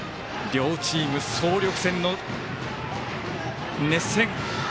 両チーム総力戦の熱戦。